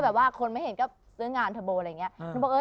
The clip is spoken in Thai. แบบว่าคนไม่เห็นก็ซื้องานโทรโบอะไรอย่างเงี้ยหนูบอกเออ